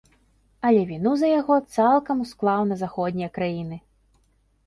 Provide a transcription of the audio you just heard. Але віну за яго цалкам усклаў на заходнія краіны.